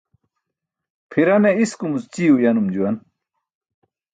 Pʰirane iskumuc ćii uyanum juwan.